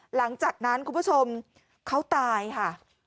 หลังจากนั้นคุณผู้ชมเขาตายค่ะ